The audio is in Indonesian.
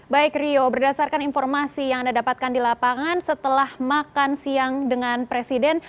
baik rio berdasarkan informasi yang anda dapatkan di lapangan setelah makan siang dengan presiden